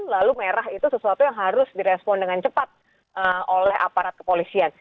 lalu merah itu sesuatu yang harus direspon dengan cepat oleh aparat kepolisian